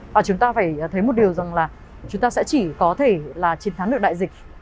và chúng ta phải thấy một điều rằng là chúng ta sẽ chỉ có thể là chiến thắng được đại dịch